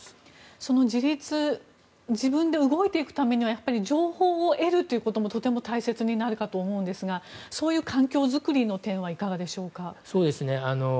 その自立自分で動いていくためには情報を得るということもとても大切になると思いますがそういう環境づくりの点はいかがでしょうか？